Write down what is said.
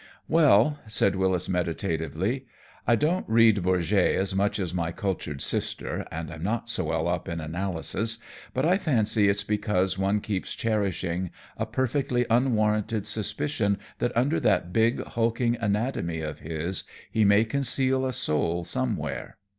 "Well," said Wyllis, meditatively, "I don't read Bourget as much as my cultured sister, and I'm not so well up in analysis, but I fancy it's because one keeps cherishing a perfectly unwarranted suspicion that under that big, hulking anatomy of his, he may conceal a soul somewhere.